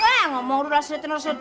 eh lu maunya apa sih